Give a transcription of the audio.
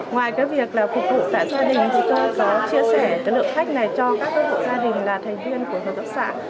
ngoài việc phục vụ tại gia đình chúng tôi có chia sẻ lượng khách này cho các gia đình là thành viên của hộp sản